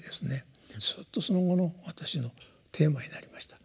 ずっとその後の私のテーマになりました。